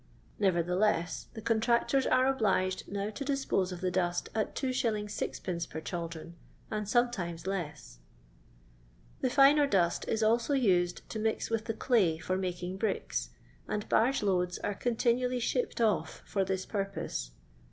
NeverthiBleas, the contractors are obliged now to dispose of the dust at 2t. M. per ehaldnm, and sometimes less. The finer dust is also uaed to mix with the clay for making bricks, and baorge4oads are con tinually ahipped off for this purpose.